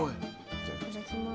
じゃあいただきます。